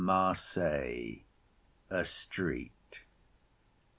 Marseilles. A street.